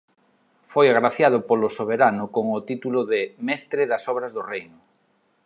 Foi agraciado polo soberano con o título de ""Mestre das Obras do Reino"".